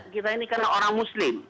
kita ini kan orang muslim